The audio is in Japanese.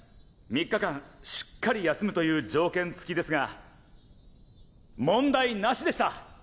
３日間しっかり休むという条件付きですが問題なしでした！